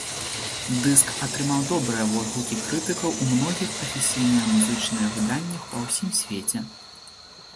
Дыск атрымаў добрыя водгукі крытыкаў у многіх прафесійныя музычныя выданнях па ўсім свеце.